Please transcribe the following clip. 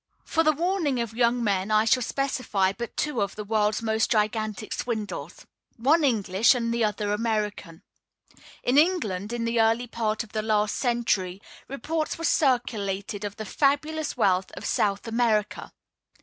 For the warning of young men, I shall specify but two of the world's most gigantic swindles one English, and the other American. In England, in the early part of the last century, reports were circulated of the fabulous wealth of South America.